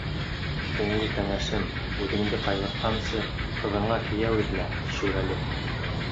Һуңғы кәңәшем: үҙеңде ҡайғыртҡансы, ҡыҙыңа кейәү эҙлә, шүрәле.